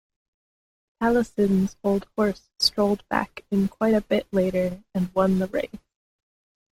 Taliesin's old horse strolled back in quite a bit later and won the race.